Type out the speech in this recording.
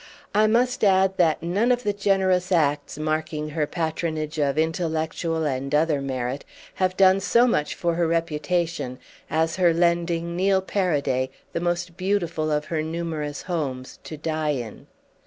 I must add that none of the generous acts marking her patronage of intellectual and other merit have done so much for her reputation as her lending Neil Paraday the most beautiful of her numerous homes to die in.